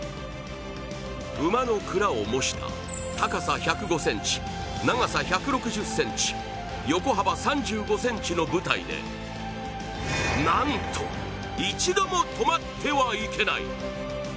馬のくらを模した高さ１０５ｃｍ、長さ１６０ｃｍ、横幅３５ｃｍの舞台でなんと、一度も止まってはいけない。